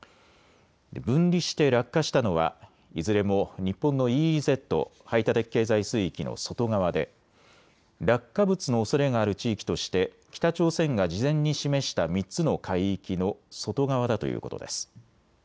分離して落下したのはいずれも日本のＥＥＺ・排他的経済水域の外側で落下物のおそれがある地域として北朝鮮が事前に示した３つの海域の外側だということです。